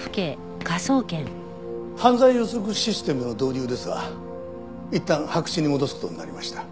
犯罪予測システムの導入ですがいったん白紙に戻す事になりました。